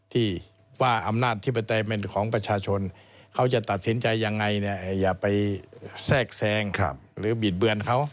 ที่ว่าอำนาจธิปไตยเป็นของประชาชนเขาจะตัดสินใจยังไงเนี่ยอย่าไปแทรกแซงหรือบิดเบือนเขา